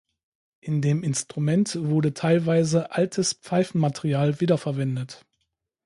In dem Instrument wurde teilweise altes Pfeifenmaterial wiederverwendet.